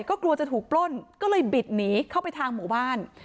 ก็กลัวจะถูกปล้นก็เลยบิดหนีเข้าไปทางหมู่บ้าน